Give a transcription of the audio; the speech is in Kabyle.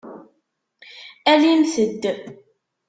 Alimt-d!